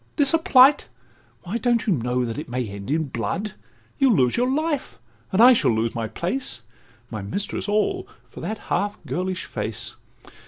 this a plight? Why, don't you know that it may end in blood? You'll lose your life, and I shall lose my place, My mistress all, for that half girlish face.